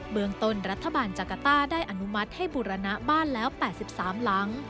เมืองต้นรัฐบาลจักรต้าได้อนุมัติให้บูรณะบ้านแล้ว๘๓หลัง